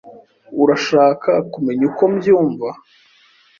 Urashaka kumenya uko mbyumva?